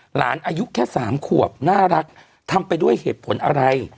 อายุแค่๓ขวบน่ารักทำไปด้วยเหตุผลอะไร